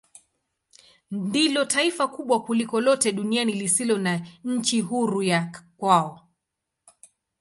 Ndilo taifa kubwa kuliko lote duniani lisilo na nchi huru ya kwao.